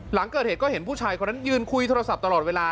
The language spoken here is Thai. หลังเกิดเหตุก็เห็นผู้ชายคนนั้นยืนคุยโทรศัพท์ตลอดเวลา